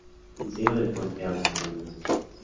El diseño del puente ha originado diversas leyendas.